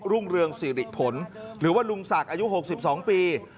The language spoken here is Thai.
รุ่งเรืองสิริผลหรือว่าลุงศักดิ์อายุ๖๒ปี